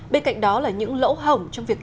bên cạnh đó là những lỗ hổng trong việc